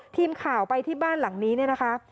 ทีมข่าวไปที่บ้านหลังนี้เนี่ยนะคะ